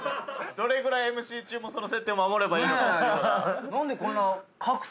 どれぐらいＭＣ中もその設定を守ればいいのか。